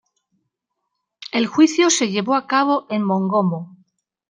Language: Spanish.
El juicio se llevó a cabo en Mongomo.